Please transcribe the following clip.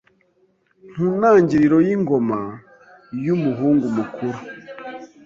mu ntangiriro yingoma yumuhungu Mukuru